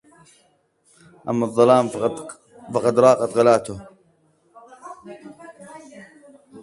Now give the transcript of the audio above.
أما الظلام فقد رقت غلالته